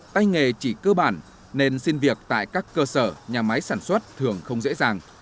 tay nghề chỉ cơ bản nên xin việc tại các cơ sở nhà máy sản xuất thường không dễ dàng